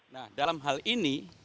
nah dalam hal ini